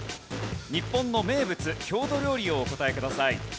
日本の名物・郷土料理をお答えください。